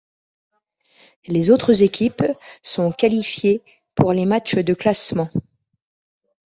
Les autres équipes sont qualifiées pour les matchs de classement.